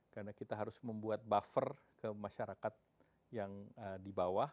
karena kita harus membuat buffer ke masyarakat yang di bawah